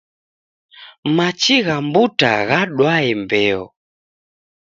Machi gha mbuta ghadwae mbeo